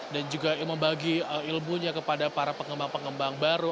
dan juga membagi ilmunya kepada para pengembang pengembang baru